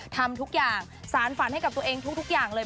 ทำทุกอย่างสารฝันให้กับตัวเองทุกอย่างเลย